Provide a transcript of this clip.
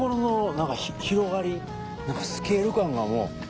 何かスケール感がもう全然違う。